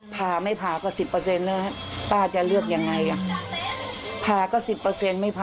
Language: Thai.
เพื่อจะรอเวลา